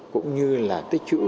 cũng như là tích chữ